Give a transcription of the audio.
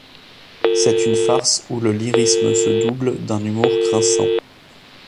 C'est une farce où le lyrisme se double d'un humour grinçant.